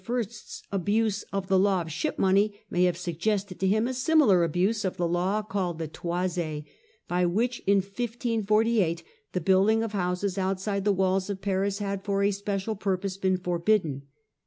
's abuse of the The foist * aw ship money may have suggested to him ° s ' a similar abuse of the law called the toisi, by which in 1548 the building of houses outside the walls of Paris had for a special purpose been forbidden.